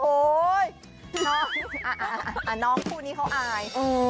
โอ๊ยน้องคู่นี้เขาอาย